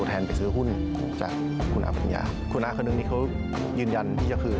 ที่คุณอาจารย์มงค์เขาไม่ยอมคืน